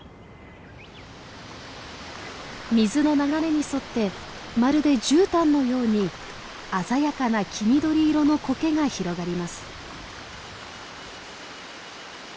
水の流れに沿ってまるでじゅうたんのように鮮やかな黄緑色のコケが広がります。